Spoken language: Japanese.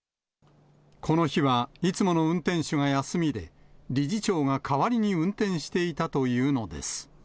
この日はいつもの運転手が休みで、理事長が代わりに運転していたというのです。